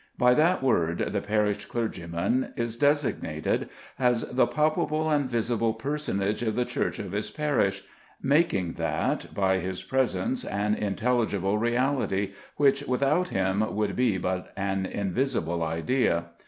By that word the parish clergyman is designated as the palpable and visible personage of the church of his parish, making that by his presence an intelligible reality which, without him, would be but an invisible idea.